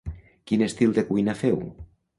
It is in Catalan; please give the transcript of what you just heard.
Quin estil de cuina feu?